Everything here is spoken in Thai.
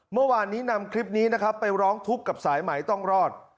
เมื่อวานนี้นำคลิปนี้นะครับไปร้องทุกข์กับสายไหมต้องรอด